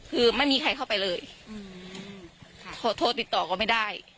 คือไม่มีใครเข้าไปเลยเขาโทรติดต่อก็ไม่ได้